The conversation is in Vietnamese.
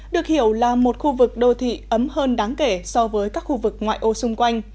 được hiểu là một khu vực đô thị ấm hơn đáng kể so với các khu vực ngoại ô xung quanh